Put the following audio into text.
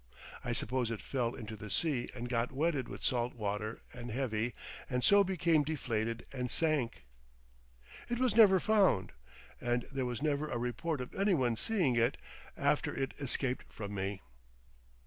I suppose it fell into the sea and got wetted with salt water and heavy, and so became deflated and sank. It was never found, and there was never a report of anyone seeing it after it escaped from me.